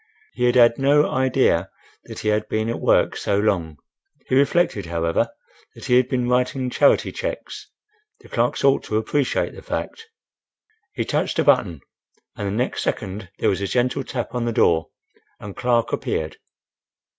He had had no idea that he had been at work so long. He reflected, however, that he had been writing charity cheques: the clerks ought to appreciate the fact. He touched a button, and the next second there was a gentle tap on the door, and Clark appeared.